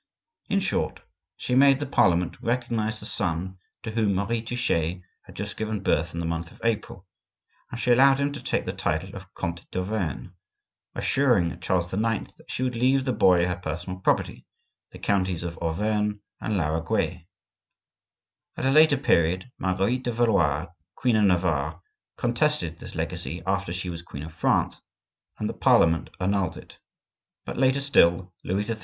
In short, she made the parliament recognize the son to whom Marie Touchet had just given birth in the month of April, and she allowed him to take the title of Comte d'Auvergne, assuring Charles IX. that she would leave the boy her personal property, the counties of Auvergne and Laraguais. At a later period, Marguerite de Valois, queen of Navarre, contested this legacy after she was queen of France, and the parliament annulled it. But later still, Louis XIII.